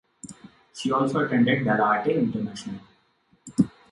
She also attended Dell’Arte International.